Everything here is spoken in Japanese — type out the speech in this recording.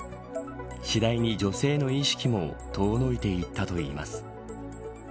次第に、女性の意識も遠のいていったといいます。